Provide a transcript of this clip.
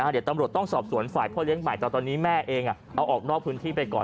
เดี๋ยวตำรวจต้องสอบสวนฝ่ายพ่อเลี้ยงใหม่แต่ตอนนี้แม่เองเอาออกนอกพื้นที่ไปก่อน